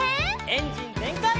エンジンぜんかい！